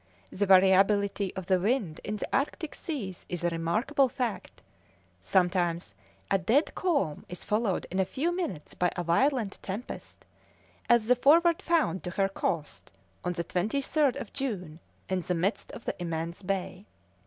The variability of the wind in the Arctic Seas is a remarkable fact; sometimes a dead calm is followed in a few minutes by a violent tempest, as the Forward found to her cost on the 23rd of June in the midst of the immense bay.